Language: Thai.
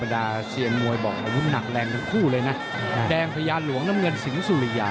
แดงทุกคู่เลยนะแดงพระยาหลวงน้ำเงินสิงห์สุริยา